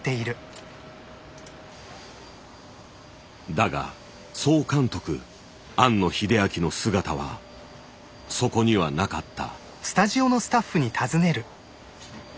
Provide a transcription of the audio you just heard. だが総監督・庵野秀明の姿はそこにはなかった。